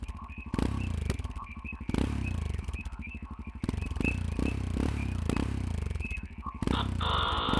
Chunga usije ukafanya makosa